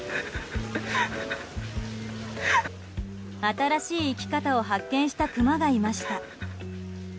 新しい生き方を発見したクマがいました。